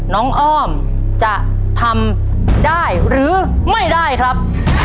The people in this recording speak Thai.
อ้อมจะทำได้หรือไม่ได้ครับ